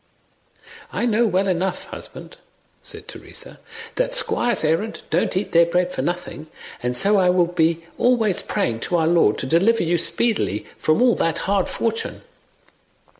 "I know well enough, husband," said Teresa, "that squires errant don't eat their bread for nothing, and so I will be always praying to our Lord to deliver you speedily from all that hard fortune."